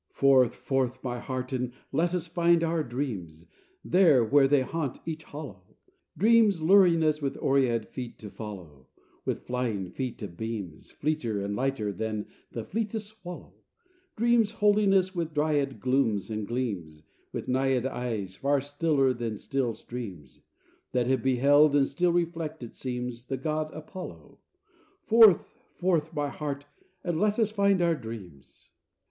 Forth, forth, my heart, and let us find our dreams, There, where they haunt each hollow! Dreams luring us with oread feet to follow, With flying feet of beams, Fleeter and lighter than the fleetest swallow: Dreams, holding us with dryad glooms and gleams, With Naiad eyes, far stiller than still streams, That have beheld and still reflect, it seems, The god Apollo. Forth, forth, my heart, and let us find our dreams!